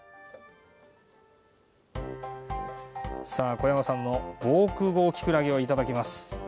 小山さんの防空壕キクラゲをいただきます。